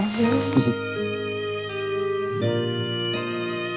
フフ。